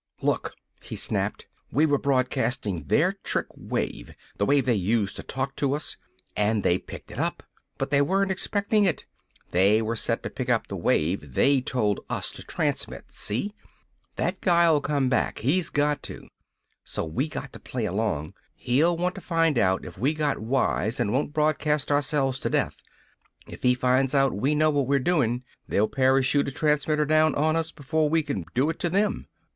"Look!" he snapped. "We were broadcastin' their trick wave the wave they used to talk to us! And they picked it up! But they weren't expectin' it! They were set to pick up the wave they told us to transmit! See? That guy'll come back. He's got to! So we got to play along! He'll want to find out if we got wise and won't broadcast ourselves to death! If he finds out we know what we're doin', they'll parachute a transmitter down on us before we can do it to them!